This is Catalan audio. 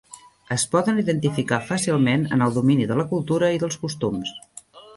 Es poden identificar fàcilment en el domini de la cultura i dels costums.